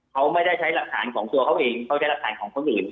เขาไม่ได้ใช้หลักฐานของตัวเขาเองเขาใช้หลักฐานของคนอื่น